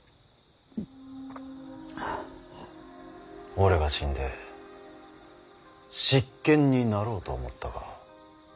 俺が死んで執権になろうと思ったか。